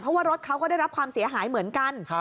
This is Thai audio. เพราะว่ารถเขาก็ได้รับความเสียหายเหมือนกัน